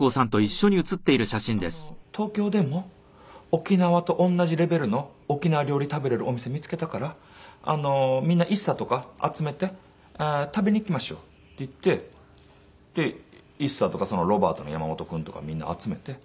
そしたら「ゴリ東京でも沖縄と同じレベルの沖縄料理食べれるお店見つけたからみんなＩＳＳＡとか集めて食べに行きましょう」って言ってＩＳＳＡとかロバートの山本君とかみんな集めて。